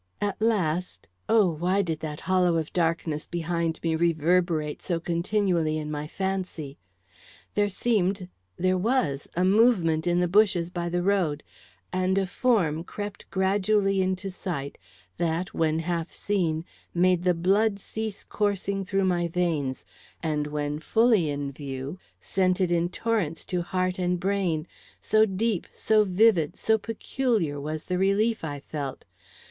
At last oh, why did that hollow of darkness behind me reverberate so continually in my fancy? there seemed, there was, a movement in the bushes by the road, and a form crept gradually into sight that, when half seen, made the blood cease coursing through my veins; and, when fully in view, sent it in torrents to heart and brain; so deep, so vivid, so peculiar was the relief I felt.